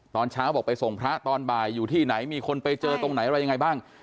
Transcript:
ตอนเช้าบอกไปส่งพระตอนบ่ายอยู่ที่ไหนมีคนไปเจอตรงไหนอะไรยังไงบ้าง